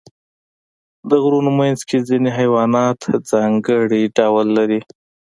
د غرونو منځ کې ځینې حیوانات ځانګړي ډول لري.